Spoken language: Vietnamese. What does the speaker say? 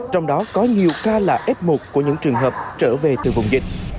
trong đó có nhiều ca là f một của những trường hợp trở về từ vùng dịch